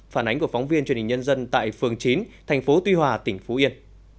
phản ánh của phóng viên truyền hình nhân dân tại phường chín thành phố tuy hòa tỉnh phú yên